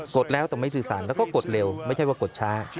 ดแล้วแต่ไม่สื่อสารแล้วก็กดเร็วไม่ใช่ว่ากดช้า